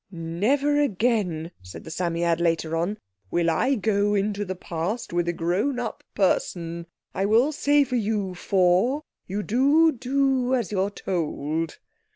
"Never again," said the Psammead later on, "will I go into the Past with a grown up person! I will say for you four, you do do as you're told."